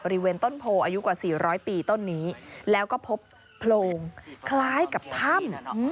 บริเวณต้นโพอายุกว่า๔๐๐ปีต้นนี้แล้วก็พบโพรงคล้ายกับถ้ำ